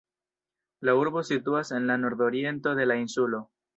La urbo situas en la nordoriento de la insulo.